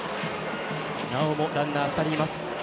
なおもランナー２人います。